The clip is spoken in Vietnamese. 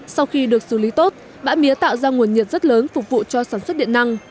sau khi được xử lý tốt bã mía tạo ra nguồn nhiệt rất lớn phục vụ cho sản xuất điện năng